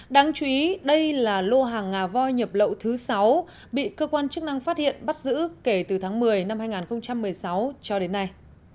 đáng chú ý đây là lô hàng ngà voi nhập lậu thứ sáu bị cơ quan chức năng phát hiện bắt giữ kể từ tháng một mươi năm hai nghìn một mươi sáu cho đến nay